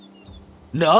aku sudah selesai